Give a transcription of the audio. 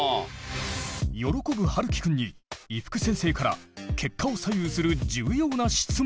喜ぶはるきくんに伊福先生から結果を左右する重要な質問が。